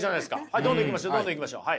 どんどんいきましょう。